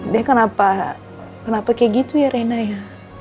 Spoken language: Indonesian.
dia kenapa kenapa kayak gitu ya rena ya